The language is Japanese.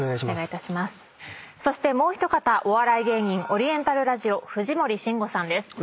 そしてもう一方お笑い芸人オリエンタルラジオ藤森慎吾さんです。